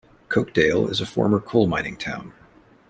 Cokedale is a former coal mining town.